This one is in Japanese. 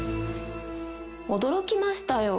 驚きましたよ